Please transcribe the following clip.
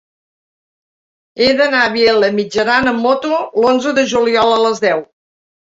He d'anar a Vielha e Mijaran amb moto l'onze de juliol a les deu.